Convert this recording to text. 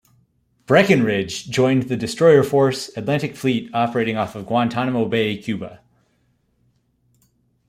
"Breckinridge" joined the Destroyer Force, Atlantic Fleet operating off Guantanamo Bay, Cuba.